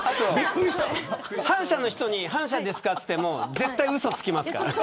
反社の人に反社ですかと言っても絶対うそつきますから。